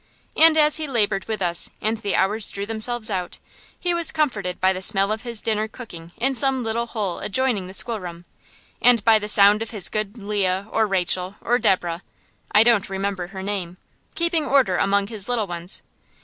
And as he labored with us, and the hours drew themselves out, he was comforted by the smell of his dinner cooking in some little hole adjoining the schoolroom, and by the sound of his good Leah or Rachel or Deborah (I don't remember her name) keeping order among his little ones.